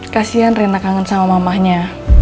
kasian rina kangen sama mamanya